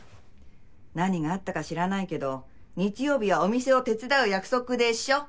何があったか知らないけど日曜日はお店を手伝う約束でしょ？